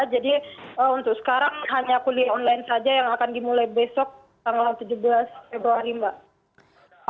jadi untuk sekarang hanya kuliah online saja yang akan dimulai besok tanggal tujuh belas februari mbak